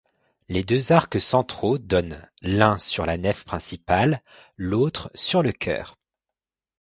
Les deux arcs centraux donnent, l'un sur la nef principale, l'autre sur le chœur.